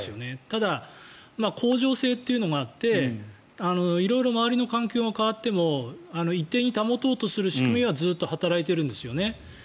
ただ、恒常性というのがあって色々周りの環境が変わっても一定に保とうとする仕組みはずっと働いているんですよね。